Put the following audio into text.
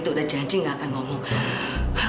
aku sudah janji nggak akan ngomong